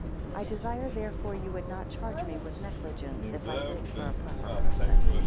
3 I desire therefore you would not charge me with negligence, if I wait for a proper person.